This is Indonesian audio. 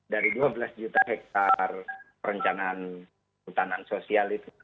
dari dua belas juta hektare perencanaan hutanan sosial itu